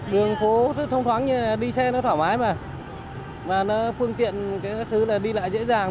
đường phố thông thoáng như thế này đi xe nó thoải mái mà mà nó phương tiện cái thứ là đi lại dễ dàng